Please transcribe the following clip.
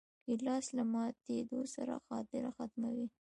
ګیلاس له ماتېدو سره خاطره ختموي.